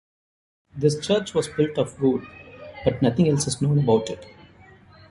This church was built of wood, but nothing else is known about it.